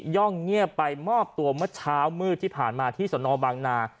่องเงียบไปมอบตัวเมื่อเช้ามืดที่ผ่านมาที่สนบางนา